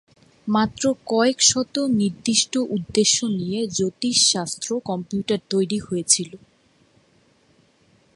মাত্র কয়েক শত নির্দিষ্ট উদ্দেশ্য নিয়ে জ্যোতিষশাস্ত্র কম্পিউটার তৈরী হয়েছিল।